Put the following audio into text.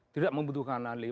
tidak membutuhkan ahli